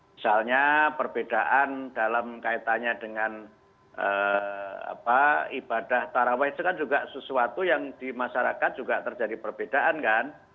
misalnya perbedaan dalam kaitannya dengan ibadah taraweh itu kan juga sesuatu yang di masyarakat juga terjadi perbedaan kan